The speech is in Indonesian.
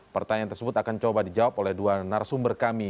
pertanyaan tersebut akan coba dijawab oleh dua narasumber kami